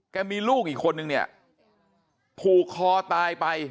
มีลูกอีกคนนึงเนี่ยผูกคอตายไป